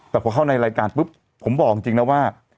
แต่พอเข้าในรายการปุ๊บผมบอกจริงนะว่า